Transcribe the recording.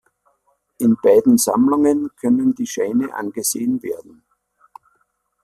In beiden Sammlungen können die Scheine angesehen werden.